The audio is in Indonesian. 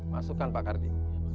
masukkan pak kardi